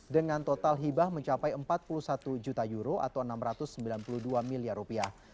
dengan total hibah mencapai empat puluh satu juta euro atau enam ratus sembilan puluh dua miliar rupiah